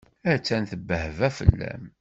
Attan tebbehba fell-am.